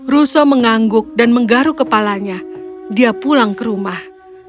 russo mengangguk dan menggaruk kepalanya dia pulang ke rumah